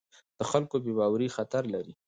د خلکو بې باوري خطر لري